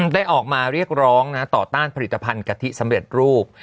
ได้ออกมาเรียกร้องต่อต้านผลิตภัณฑ์กะทิสำเร็จรูป